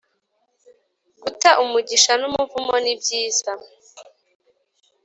Guta umugisha n’ umuvumo ni byiza.